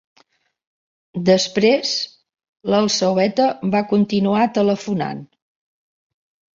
Després, l'Alzueta va continuar telefonant.